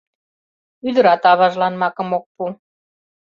Ӱдырат аважлан макым ок пу.